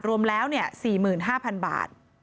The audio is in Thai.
รวมแล้ว๔๕๐๐๐บาท